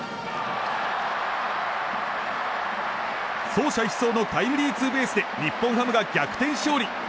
走者一掃のタイムリーツーベースで日本ハムが逆転勝利。